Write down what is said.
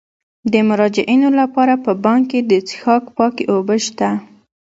د مراجعینو لپاره په بانک کې د څښاک پاکې اوبه شته.